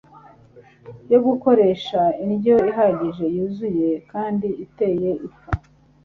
yo gukoresha indyo ihagije yuzuye kandi iteye ipfa